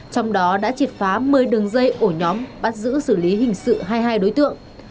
trong đó đã triệt phá một mươi đường dây ổ nhóm bắt giữ xử lý hình sự hai mươi hai đối tượng